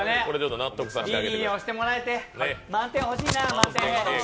リリーに押してもらって満点欲しいな、満点。